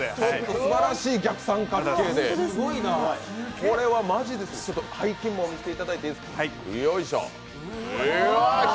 すばらしい逆三角形でこれはマジですごい、背筋も見せていただいていいですか。